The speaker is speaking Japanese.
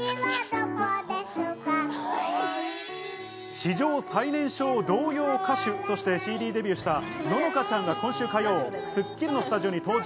史上最年少童謡歌手としてＣＤデビューしたののかちゃんが今週火曜『スッキリ』のスタジオに登場。